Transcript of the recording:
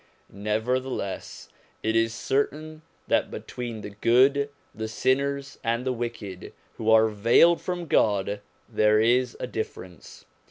Nevertheless, it is certain that between the good, the sinners and the wicked who are veiled from God, there is a difference.